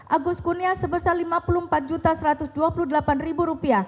agus kunia sebesar rp lima puluh empat satu ratus dua puluh delapan